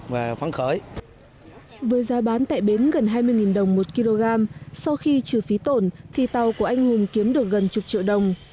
với giá bán tại bến gần hai mươi đồng một kg sau khi trừ phí tổn thì tàu của anh hùng kiếm được gần chục triệu đồng